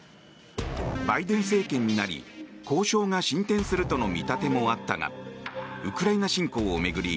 バイデン政権になり、交渉が進展するとの見立てもあったがウクライナ侵攻を巡り